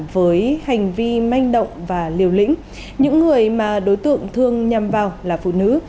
với hành vi manh động và liều lĩnh những người mà đối tượng thường nhằm vào là phụ nữ